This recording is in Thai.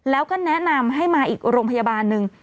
แล้วก็แนะนำให้มาอีกโรงพยาบาลหนึ่ง